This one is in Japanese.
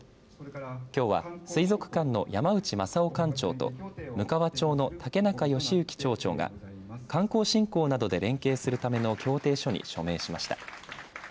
きょうは水族館の山内將生館長とむかわ町の竹中喜之町長が観光振興などで連携するための協定書に署名しました。